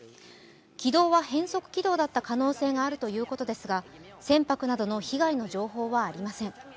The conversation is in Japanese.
軌道は変則軌道だった可能性があるということですが、船舶などの被害の情報はありません。